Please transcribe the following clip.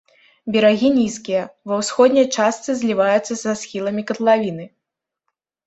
Берагі нізкія, ва ўсходняй частцы зліваюцца са схіламі катлавіны.